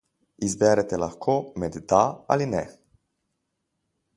Izberete lahko med da ali ne.